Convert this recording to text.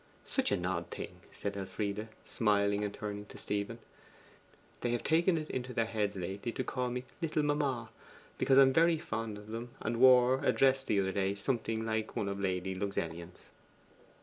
'Such an odd thing,' said Elfride, smiling, and turning to Stephen. 'They have taken it into their heads lately to call me "little mamma," because I am very fond of them, and wore a dress the other day something like one of Lady Luxellian's.